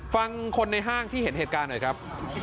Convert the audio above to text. ฟังคนในห้างที่เห็นเหตุการณ์หน่อยครับ